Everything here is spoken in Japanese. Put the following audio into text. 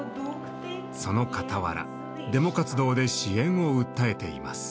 そのかたわらデモ活動で支援を訴えています。